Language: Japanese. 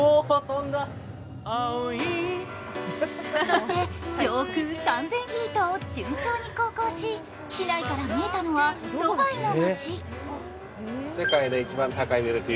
そして上空３０００フィートを順調に航行し機内から見えたのはドバイの街。